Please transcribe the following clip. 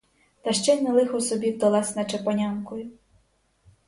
Та ще й на лихо собі вдалась наче панянкою.